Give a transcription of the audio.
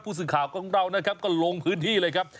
ผู้สึกข่าวกับเรานะครับก็ลงพื้นที่เลยครับ